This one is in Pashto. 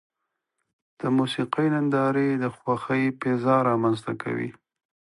د موسیقۍ نندارې د خوښۍ فضا رامنځته کوي.